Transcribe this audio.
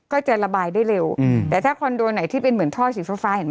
ก็จะระบายได้เร็วแต่ถ้าคอนโดไหนที่เป็นเหมือนท่อสีฟ้าเห็นไหม